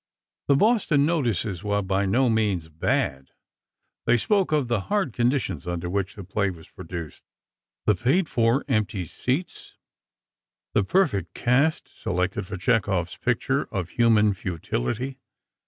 The Boston notices were by no means "bad." They spoke of the hard conditions under which the play was produced, the paid for empty seats, the perfect cast selected for Chekhov's picture of human futility.